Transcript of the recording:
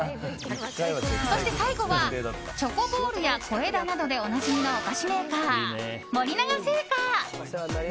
そして、最後はチョコボールや小枝などでおなじみの菓子メーカー森永製菓。